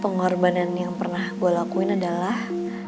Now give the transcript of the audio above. pengorbanan yang pernah gue lakuin adalah